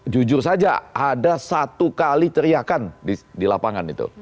jujur saja ada satu kali teriakan di lapangan itu